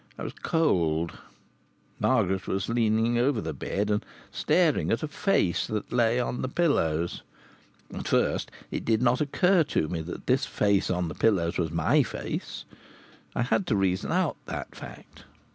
I was cold. Margaret was leaning over the bed, and staring at a face that lay on the pillows. At first it did not occur to me that this face on the pillows was my face. I had to reason out that fact.